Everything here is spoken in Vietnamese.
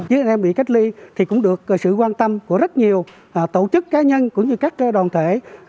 với anh em bị cách ly thì cũng được sự quan tâm của rất nhiều tổ chức cá nhân cũng như các đoàn thể